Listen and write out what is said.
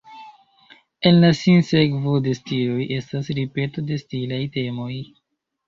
En la sinsekvo de stiloj, estas ripeto de stilaj temoj.